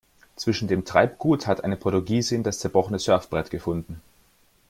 Zwischen dem Treibgut hat eine Portugiesin das zerbrochene Surfbrett gefunden.